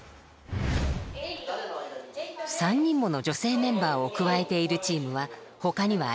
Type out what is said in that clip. ３人もの女性メンバーを加えているチームはほかにはありません。